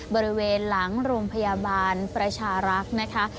บริเวณหลังโรงพยาบาลประชารักษ์นะคะ